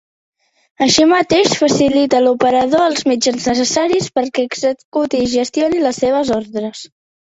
Així mateix, facilita l'operador els mitjans necessaris perquè executi i gestioni les seves ordres.